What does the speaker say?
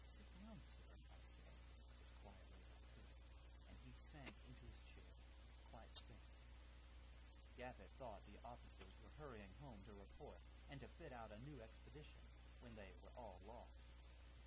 "Sit down, sir," I said as quietly as I could, and he sank into his chair quite spent. "Gaffett thought the officers were hurrying home to report and to fit out a new expedition when they were all lost.